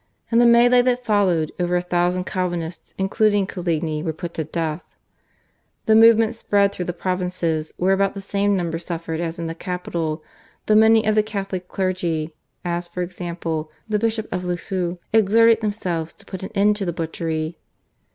In the melee that followed over a thousand Calvinists including Coligny were put to death. The movement spread through the provinces where about the same number suffered as in the capital, though many of the Catholic clergy, as for example, the Bishop of Lisieux, exerted themselves to put an end to the butchery.